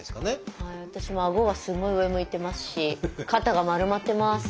私もあごがすごい上向いてますし肩が丸まってます。